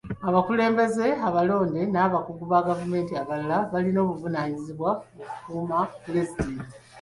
Abakulembeze abalonde n'abakungu ba gavumenti abalala balina obuvunaanyizibwa okukuuma pulezidenti.